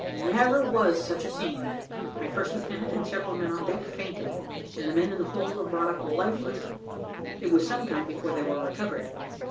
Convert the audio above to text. Never was such a scene; my first lieutenant and several men on deck fainted; and the men in the hold were brought up lifeless: it was some time before they were recovered.